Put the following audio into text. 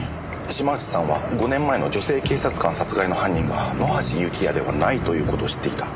島内さんは５年前の女性警察官殺害の犯人が野橋幸也ではないという事を知っていた。